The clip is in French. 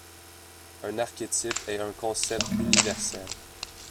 Un archétype est un concept universel.